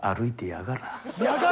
「やがらぁ」。